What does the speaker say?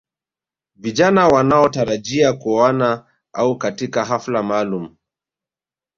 Vijana wanaotarajia kuoana au katika hafla maalum